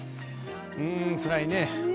うーん、つらいね。